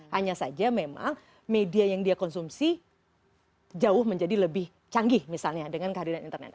hanya saja memang media yang dia konsumsi jauh menjadi lebih canggih misalnya dengan kehadiran internet